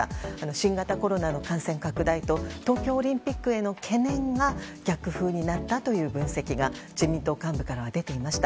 新型コロナの感染拡大と東京オリンピックへの懸念が逆風になったという分析が自民党幹部からは出ていました。